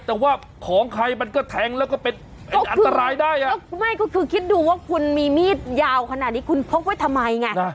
แต่ว่าของใครมันก็แทงแล้วก็เป็นอันตรายได้อ่ะไม่ก็คือคิดดูว่าคุณมีมีดยาวขนาดนี้คุณพกไว้ทำไมไง